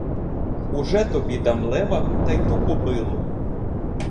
Уже тобі дам лева та й ту кобилу.